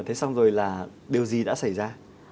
thế xong rồi là điều gì đã xảy ra